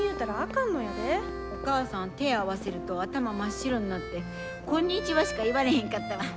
お母さん手合わせると頭真っ白になって「こんにちは」しか言われへんかったわ！